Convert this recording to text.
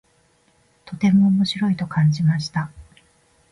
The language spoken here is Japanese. とても面白いと感じました。